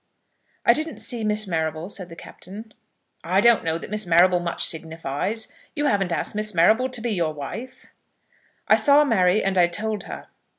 "I didn't see Miss Marrable," said the Captain. "I don't know that Miss Marrable much signifies. You haven't asked Miss Marrable to be your wife." "I saw Mary, and I told her."